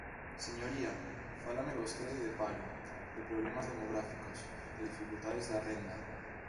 Señoría, fálame vostede de paro, de problemas demográficos, de dificultades da renda.